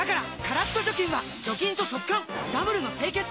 カラッと除菌は除菌と速乾ダブルの清潔！